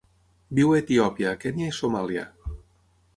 Viu a Etiòpia, Kenya i Somàlia.